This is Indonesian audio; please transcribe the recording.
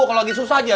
kalau lagi susah aja